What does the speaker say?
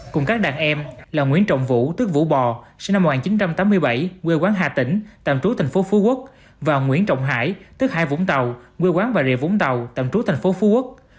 cùng các đàn em là nguyễn trọng vũ tức vũ bò sinh năm một nghìn chín trăm tám mươi bảy quê quán hà tĩnh tạm trú thành phố phú quốc và nguyễn trọng hải tức hai vũng tàu quê quán bà rịa vũng tàu tạm trú thành phố phú quốc